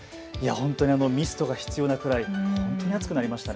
本当にのミストが必要なくらい本当に暑くなりましたね。